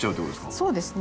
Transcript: そうですね。